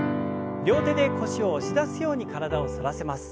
両手で腰を押し出すように体を反らせます。